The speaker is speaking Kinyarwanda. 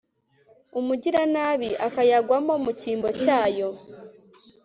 umugiranabi akayagwamo mu cyimbo cyayo